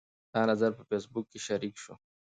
دا نظر په فیسبوک کې شریک شو.